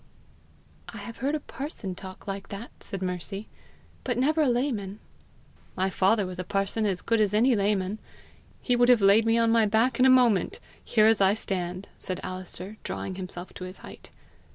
"I have heard a parson talk like that," said Mercy, "but never a layman!" "My father was a parson as good as any layman. He would have laid me on my back in a moment here as I stand!" said Alister, drawing himself to his height.